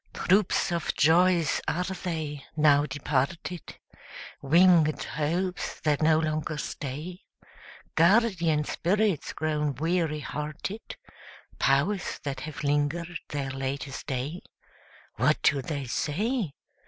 Troops of joys are they, now departed? Winged hopes that no longer stay? Guardian spirits grown weary hearted? Powers that have linger'd their latest day? What do they say?